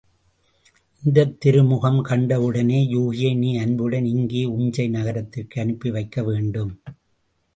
இந்தத் திருமுகம் கண்டவுடனே யூகியை நீ அன்புடன் இங்கே, உஞ்சை நகரத்திற்கு அனுப்பி வைக்க வேண்டும்.